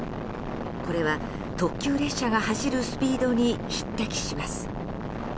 これは特急列車が走るスピードに匹敵します。